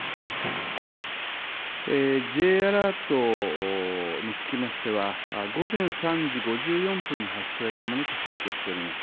Ｊアラートにつきましては、午前３時５４分に発出されたものと承知しております。